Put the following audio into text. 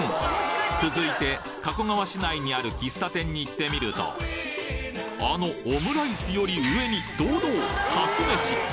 続いて加古川市内にある喫茶店に行ってみるとあのオムライスより上に堂々かつめし！